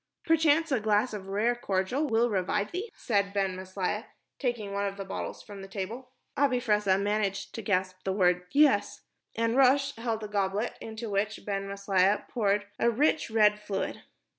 "Perchance a glass of rare cordial will revive thee," said Ben Maslia, taking one of the bottles from the table. Abi Fressah managed to gasp the word "Yes," and Rosh held a goblet into which Ben Maslia poured a rich, red fluid.